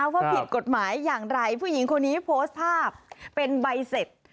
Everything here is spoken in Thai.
ว่าผิดกฎหมายอย่างไรผู้หญิงคนนี้โพสต์ภาพเป็นใบเสร็จ